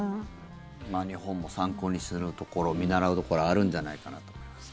日本も参考にするところ見習うところあるんじゃないかなと思います。